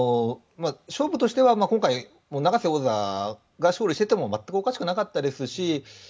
勝負としては今回、永瀬王座が勝利してても全くおかしくなかったですし